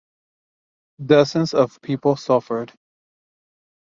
Dozens of people suffered.